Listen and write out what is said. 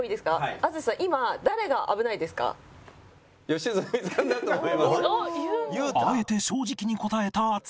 淳さんあえて正直に答えた淳